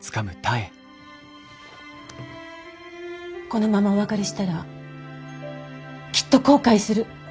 このままお別れしたらきっと後悔する。